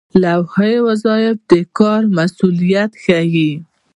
لایحه وظایف د کار مسوولیت ښيي